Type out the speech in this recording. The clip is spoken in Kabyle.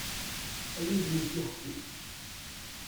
Ay udem n tixsi!